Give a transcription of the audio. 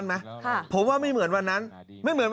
เหนื่อยหรือเปล่าพี่เบิร์ต